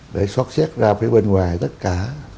để xót xét ra phía bên ngoài tất cả